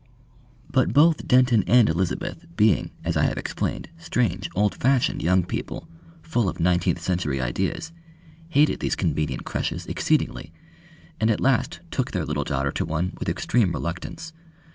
But both Denton and Elizabeth being, as I have explained, strange old fashioned young people, full of nineteenth century ideas, hated these convenient creches exceedingly and at last took their little daughter to one with extreme reluctance.